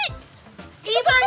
eh eh apaan sih